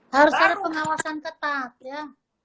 harus ada pengawasan ketat ya